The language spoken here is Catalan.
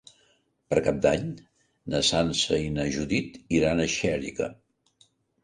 Per Cap d'Any na Sança i na Judit iran a Xèrica.